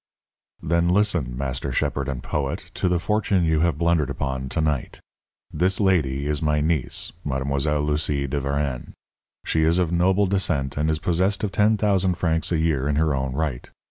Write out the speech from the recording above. "Then listen, master shepherd and poet, to the fortune you have blundered upon to night. This lady is my niece, Mademoiselle Lucie de Varennes. She is of noble descent and is possessed of ten thousand francs a year in her own right.